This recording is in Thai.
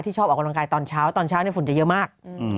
ชอบออกกำลังกายตอนเช้าตอนเช้าฝุ่นจะเยอะมาก